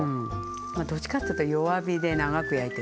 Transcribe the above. まあどっちかっていうと弱火で長く焼いてる。